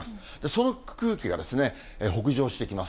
その空気が北上してきます。